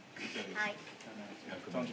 はい。